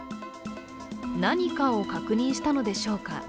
何かを確認したのでしょうか。